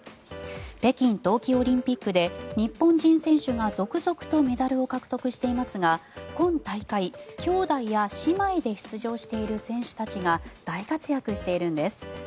北京冬季オリンピックで日本人選手が続々とメダルを獲得していますが今大会、兄弟や姉妹で出場している選手たちが大活躍しているんです。